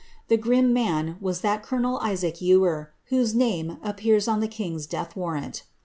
The grim man was that colonel Isaac Ewer, whose name appears on the king's death warrant.